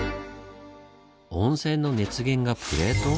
温泉の熱源がプレート？